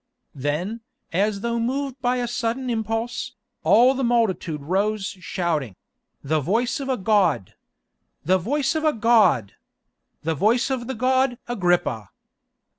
Then, as though moved by a sudden impulse, all the multitude rose shouting: "The voice of a god! The voice of a god! The voice of the god Agrippa!"